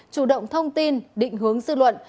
chủ động thông tin định hướng dư luận